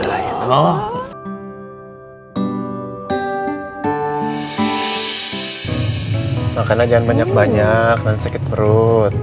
makanlah jangan banyak banyak nanti sakit perut